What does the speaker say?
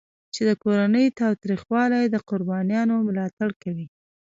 چې د کورني تاوتریخوالي د قربانیانو ملاتړ کوي.